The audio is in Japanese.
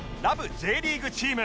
Ｊ リーグチーム